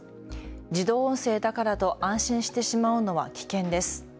自動音声だからと安心してしまうのは危険です。